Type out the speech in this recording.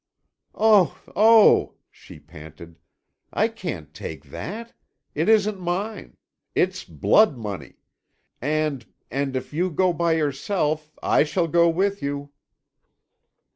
"Oh, oh," she panted, "I can't take that. It isn't mine. It's blood money. And—and if you go by yourself, I shall go with you."